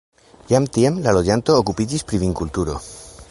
Jam tiam la loĝantoj okupiĝis pri vinkulturo.